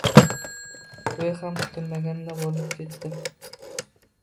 To`y ham kutilmaganda bo`lib ketdi